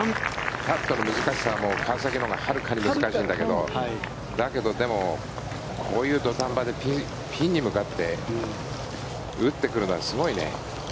パットの難しさは川崎のほうがはるかに難しいんだけどだけど、でもこういう土壇場でピンに向かって打ってくるのはすごいね。